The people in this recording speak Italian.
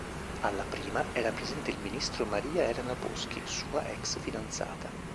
Alla prima era presente il ministro Maria Elena Boschi, sua ex fidanzata.